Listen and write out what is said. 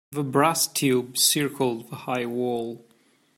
The brass tube circled the high wall.